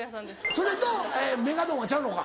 それとメガドンはちゃうのか？